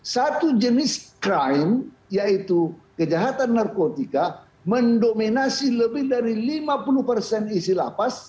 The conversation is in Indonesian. satu jenis crime yaitu kejahatan narkotika mendominasi lebih dari lima puluh persen isi lapas